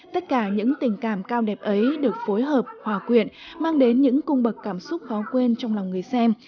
tất cả những tình cảm cao đẹp ấy được phối hợp hòa quyện mang đến những cung bậc cảm xúc khó quên trong lòng người xem